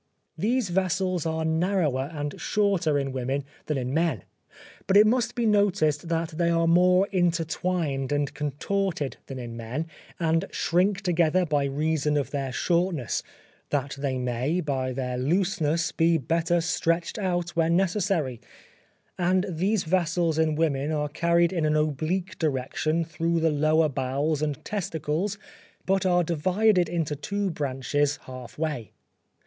These vessels are narrower and shorter in women than in men; but it must be noticed that they are more intertwined and contorted than in men, and shrink together by reason of their shortness that they may, by their looseness, be better stretched out when necessary: and these vessels in women are carried in an oblique direction through the lesser bowels and testicles but are divided into two branches half way.